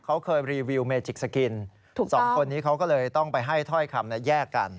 เขาเคยรีวิวเมจิกสกินสองคนนี้เขาก็เลยต้องไปให้ถ้อยคำแยกกัน